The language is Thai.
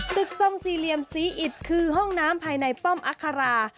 ตึกทรงสี่เหลี่ยมสีอิดคือห้องน้ำภายในป้อมอัครา